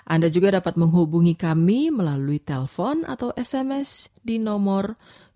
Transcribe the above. anda juga dapat menghubungi kami melalui telepon atau sms di nomor delapan ratus dua puluh satu seribu enam puluh satu seribu lima ratus sembilan puluh lima